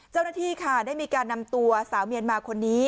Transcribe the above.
เจ้าหน้าที่ค่ะได้มีการนำตัวสาวเมียนมาคนนี้